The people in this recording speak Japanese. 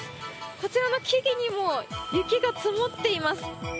こちらの木々にも雪が積もっています。